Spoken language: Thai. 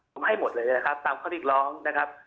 ผมให้หมดเลยนะครับตามข้อเรียกร้องนะครับ